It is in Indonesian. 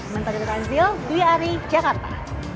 menteri tanzil dwi ari jakarta